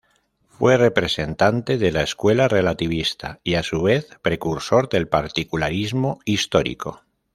Fue representante de la escuela relativista y, a su vez, precursor del particularismo histórico.